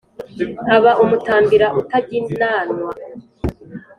Aba umutambira utaginanwa.